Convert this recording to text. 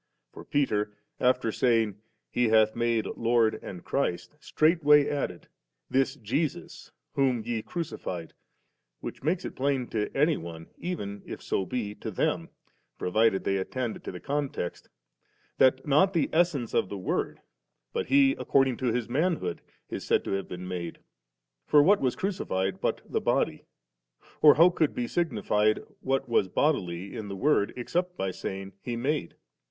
For Peter, after saying, * He hath made Lord and Christ,' straightway added, *this Jesus whom ye crucified ;' which makes it plsun to any one, even, if so be, to them, provided they attend to the context, that not the Elssence of the Word, but He according to His man hood is said to have been made. For what was crucified but the body ? and how could be signified what was bodily in the Word, except by saying 'He made?'